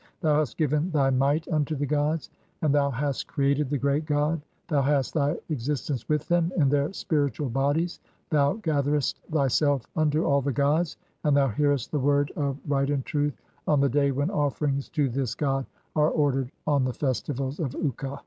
Thou hast given thy might unto the "gods and thou hast created the Great God ; thou hast thy "existence with them in their spiritual bodies, thou gatherest "thyself unto (9) all the gods, and thou hearest the word of "right and truth on the day when offerings to this god are "ordered on the festivals of Uka."